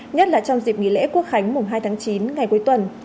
nhất là trong dịp nghỉ lễ quốc khánh mùng hai tháng chín ngày cuối tuần